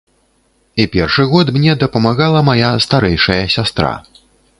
І першы год мне дапамагала мая старэйшая сястра.